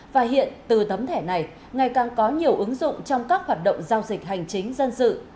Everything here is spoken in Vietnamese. và hiện từ tấm thẻ này ngày càng có nhiều ứng dụng trong các hoạt động giao dịch hành chính dân sự